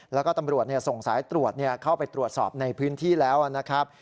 แล้วก็ตำรวจส่งสายตรวจเข้าไปตรวจสอบในพื้นที่แล้วนะครับ